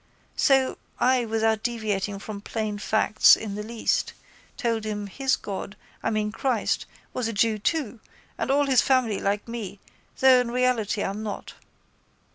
So I without deviating from plain facts in the least told him his God, I mean Christ, was a jew too and all his family like me though in reality I'm not.